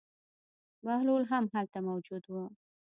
بهلول هم هلته موجود و.